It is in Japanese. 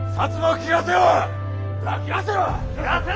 斬らせろ！